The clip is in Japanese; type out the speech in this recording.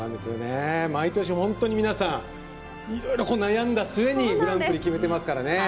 毎年、本当に皆さんいろいろ悩んだ末にグランプリ決めてますからね。